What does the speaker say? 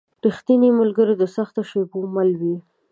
رښتینی ملګری د سختو شېبو مل وي.